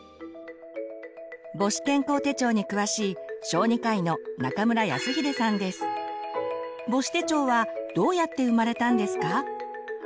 母子健康手帳に詳しい母子手帳はどうやって生まれたんですか？